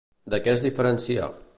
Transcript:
De què es diferencia?